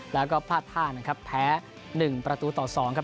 แล้วก็พลาดท่านนะครับแพ้หนึ่งประตูต่อสองครับ